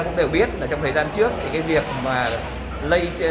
cũng đều biết trong thời gian trước việc lây lan f trong lúc lấy mẫu cũng đã xảy ra ở một số nơi